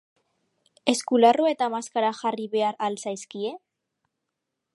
Eskularru eta maskara jarri behar al zaizkie?